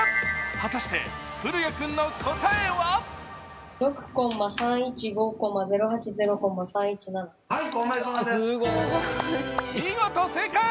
果たして、降矢君の答えは見事正解！